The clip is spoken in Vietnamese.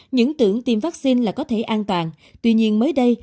những tưởng tiêm vaccine là có thể an toàn tuy nhiên mới đây